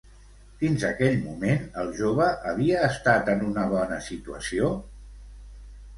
Fins aquell moment, el jove havia estat en una bona situació?